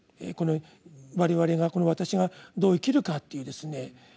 この我々がこの私がどう生きるかっていうですね